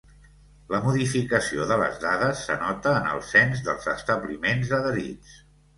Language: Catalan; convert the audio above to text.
La modificació de les dades s'anota en el cens dels establiments adherits.